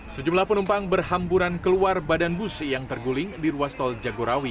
sejumlah penumpang berhamburan keluar badan bus yang terguling di ruas tol jagorawi